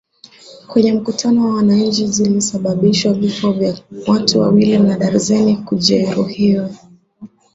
kwenye mkutano wa wananchi zilisababisha vifo vya watu wawili na darzeni kujeruhiwa